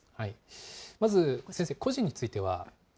まず先生、個人については。